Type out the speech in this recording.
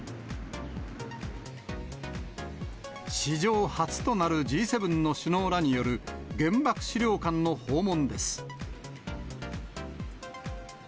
史上初となるＧ７の首脳らによる、原爆資料館の訪問です。